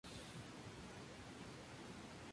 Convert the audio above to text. Al cabo de cuatro meses, se casan.